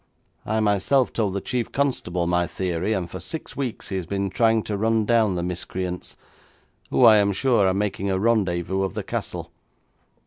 I, myself, told the chief constable my theory, and for six weeks he has been trying to run down the miscreants, who, I am sure, are making a rendezvous of the castle.